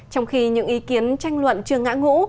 trong khi những ý kiến tranh luận chưa ngã ngũ